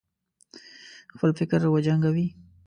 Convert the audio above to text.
خپل فکر وجنګوي.